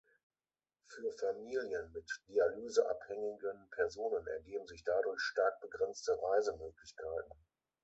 Für Familien mit dialyseabhängigen Personen ergeben sich dadurch stark begrenzte Reisemöglichkeiten.